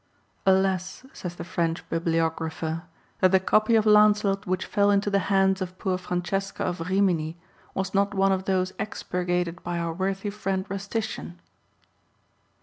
Alas, says the French BibHographer, that the copy of Lancelot, which fell into the hands of poor Francesca of Rimini, was not one of those expurgated by our worthy friend Rustician